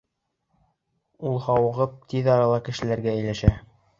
Ул, һауығып, тиҙ арала кешеләргә эйәләшә.